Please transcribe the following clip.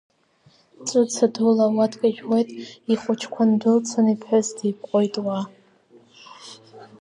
Ҵәыца дула ауатка ижәуеит, ихәыҷқәа ндәылцан, иԥҳәыс диԥҟоит, уаа!